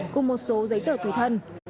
cùng một số giấy tờ tùy thân